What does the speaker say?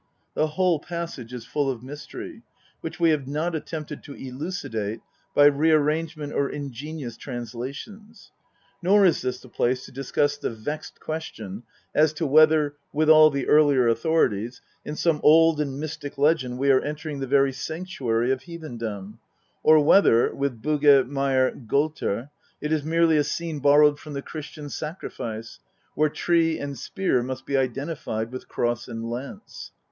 The whole passage is full of mystery, which we have not attempted to elucidate by rearrangement or ingenious translations. Nor is this the place to discuss the vexed question as to whether (with all the earlier authorities) in some old and mystic legend we are entering the very sanctuary of heathendom, or whether (with Bugge, Meyer, Golther) it is merely a scene borrowed from the Christian sacrifice, where Tree and spear must be identified with cross and lance.